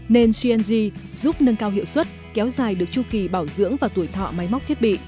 nên cng giúp nâng cao hiệu suất kéo dài được chu kỳ bảo dưỡng và tuổi thọ máy móc thiết bị